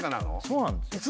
そうなんですよ